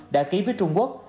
đã ký với trung quốc